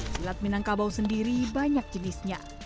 silat minangkabau sendiri banyak jenisnya